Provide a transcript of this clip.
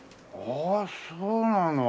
ああそうなの。